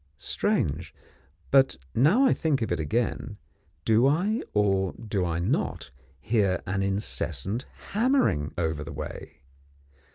Strange! but now I think of it again, do I, or do I not, hear an incessant hammering over the way?